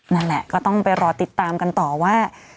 นั่นแหละก็ต้องไปรอติดตามกันต่อว่า